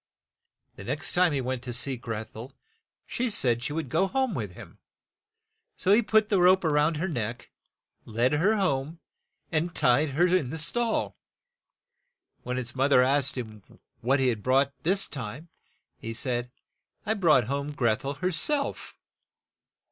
The next time he went to see Greth el, she said she would go home with him. He put a rope round her neck, led her home, and tied her in the stall. When his moth er asked hirn. 92 THE WEDDING OF MRS. FOX what he had brought this time, he said, "I brought home Greth el her self."